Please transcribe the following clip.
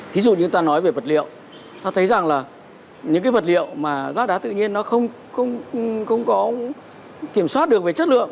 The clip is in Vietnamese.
thí dụ như ta nói về vật liệu ta thấy rằng là những cái vật liệu mà rác đá tự nhiên nó không có kiểm soát được về chất lượng